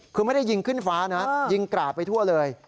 คือไม่ได้ยิงขึ้นฟ้านะยิงกราดไปทั่วเลย